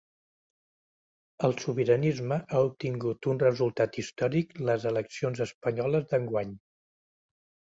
El sobiranisme ha obtingut un resultat històric les eleccions espanyoles d’enguany.